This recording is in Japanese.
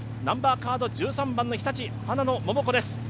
１３番の日立、花野桃子です。